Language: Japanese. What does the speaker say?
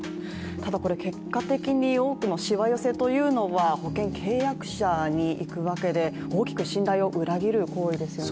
結果的に多くのしわ寄せというのは保険契約者にいくわけで大きく信頼を裏切る行為ですよね。